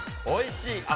おいしい。